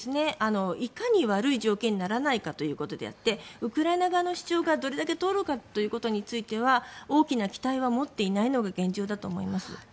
いかに悪い条件にならないかということであってウクライナ側の主張がどれだけ通るかということについては大きな期待は持っていないのが現状だと思います。